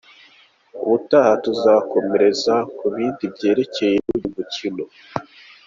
Ubutaha tukazakomeza ku bindi byererekeye uyu mukino.